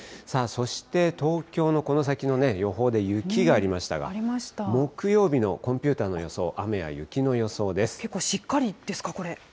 そして東京のこの先の予報で、雪がありましたが、木曜日のコンピューターの予想、雨や雪の予想で結構、しっかりですか、これ。